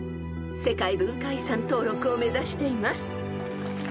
［世界文化遺産登録を目指しています］